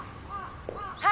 「はい」